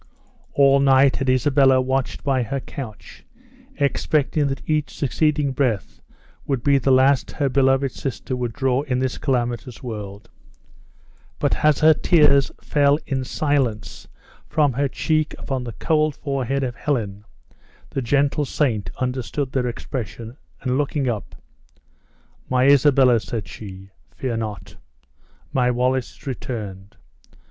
All night had Isabella watched by her couch, expecting that each succeeding breath would be the last her beloved sister would draw in this calamitous world; but as her tears fell in silence from her cheek upon the cold forehead of Helen, the gentle saint understood their expression, and looking up: "My Isabella," said she, "fear not. My Wallace is returned.